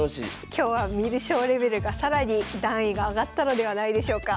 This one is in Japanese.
今日は観る将レベルが更に段位が上がったのではないでしょうか。